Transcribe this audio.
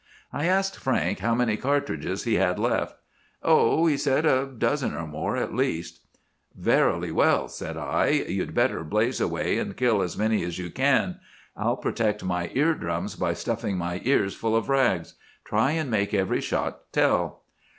"I asked Frank how many cartridges he had left. "'Oh,' said he, 'a dozen or more, at least!' "'Verily well,' said I; 'you'd better blaze away and kill as many as you can. I'll protect my ear drums by stuffing my ears full of rags. Try and make every shot tell.